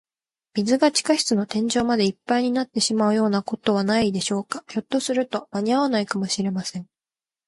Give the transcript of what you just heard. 水が地下室の天井までいっぱいになってしまうようなことはないでしょうか。ひょっとすると、まにあわないかもしれません。